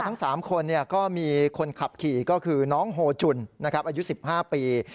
ทั้ง๓คนก็มีคนขับขี่ก็คือน้องโฮจุ่นอายุ๑๕ปี